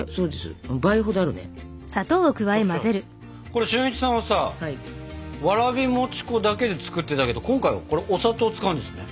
これ俊一さんはさわらび餅粉だけで作ってたけど今回はこれお砂糖を使うんですね。